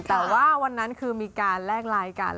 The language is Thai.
แต่ว่าวันนั้นคือมีการแลกไลน์กัน